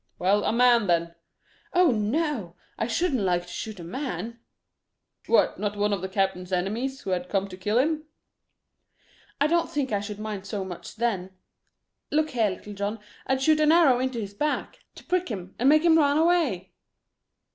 "Well, a man then." "Oh, no! I shouldn't like to shoot a man." "What not one of the captain's enemies who had come to kill him?" "I don't think I should mind so much then. Look here, Little John, I'd shoot an arrow into his back, to prick him and make him run away."